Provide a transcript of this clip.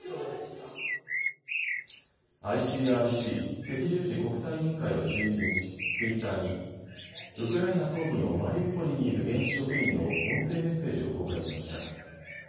ＩＣＲＣ・赤十字国際委員会は１１日、ツイッターにウクライナ東部のマリウポリにいる現地職員の音声メッセージを公開しました。